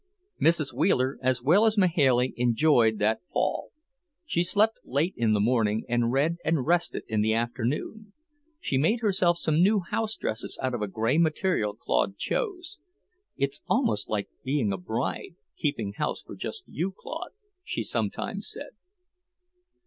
Mrs. Wheeler, as well as Mahailey, enjoyed that fall. She slept late in the morning, and read and rested in the afternoon. She made herself some new house dresses out of a grey material Claude chose. "It's almost like being a bride, keeping house for just you, Claude," she sometimes said.